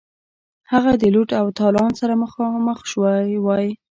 هغه د لوټ او تالان سره مخامخ شوی وای.